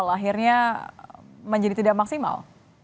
akhirnya menjadi tidak maksimal